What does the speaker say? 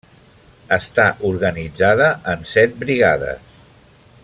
Està organitzada en set brigades.